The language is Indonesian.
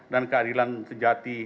dan keadilan sejati